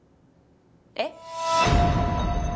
えっ？